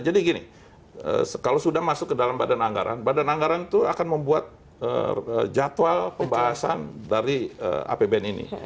jadi gini kalau sudah masuk ke dalam badan anggaran badan anggaran itu akan membuat jadwal pembahasan dari apbn ini